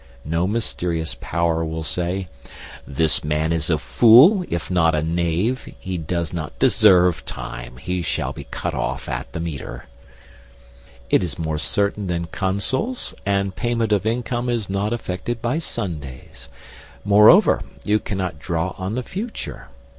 No mysterious power will say: "This man is a fool, if not a knave. He does not deserve time; he shall be cut off at the meter." It is more certain than consols, and payment of income is not affected by Sundays. Moreover, you cannot draw on the future.